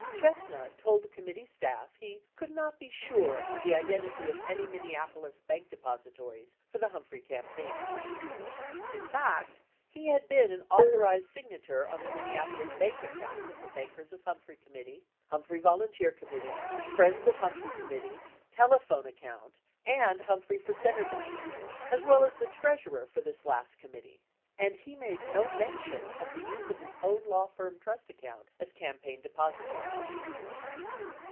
88 Chestnut told the committee staff he "coidd not be sure" of the identity of any Min neapolis bank depositories for the Humphrey campaign. 89 In fact, he had been an authorized signator on the Minneapolis bank accounts of the Backers of Humphrey Committee, Humphrey Volunteer Committee, Friends of Humphrey Committee, Telephone Account, and Humphrey for Senator Committee, as well as the treas urer for this last committee. And he made no mention of the use of his own law firm trust account as campaign depository.